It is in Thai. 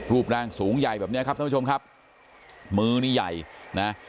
รูปร่างสูงใหญ่แบบเนี้ยครับท่านผู้ชมครับมือนี่ใหญ่นะ